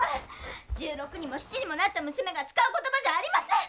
１６にも１７にもなった娘が使う言葉じゃありません！